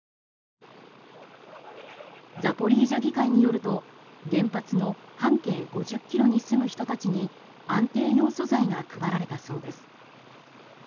ザポリージャ議会によると原発の半径５０ｋｍに住む人たちに安定ヨウ素剤が配られたそうです。